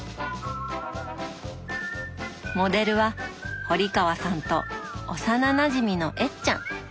モデルは堀川さんと幼なじみの「えっちゃん」。